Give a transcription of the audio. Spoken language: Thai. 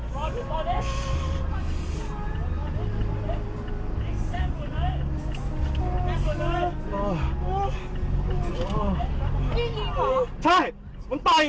พี่ยิงเหรอใช่มันต่อยพี่